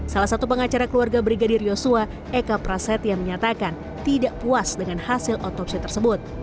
salah satu pengacara keluarga brigadir yosua eka prasetya menyatakan tidak puas dengan hasil otopsi tersebut